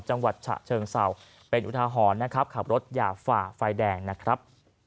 จังหวัดฉะเชิงเศร้าเป็นอุทาหรณ์นะครับขับรถอย่าฝ่าไฟแดงนะครับ